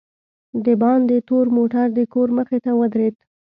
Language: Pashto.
دباندې تور موټر دکور مخې ته ودرېد.